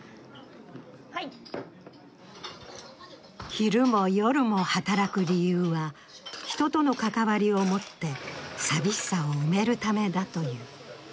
昼も夜も働く理由は、人との関わりを持って寂しさを埋めるためだという。